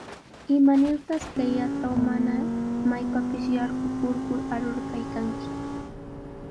¿Imanirtaq kayllatraw mana maypapis yarqukur arur kaykanki?